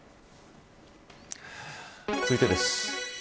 続いてです。